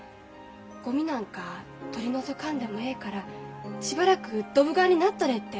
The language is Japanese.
ゴミなんか取り除かんでもええからしばらくドブ川になっとれって。